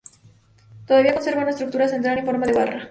Todavía conserva una estructura central en forma de barra.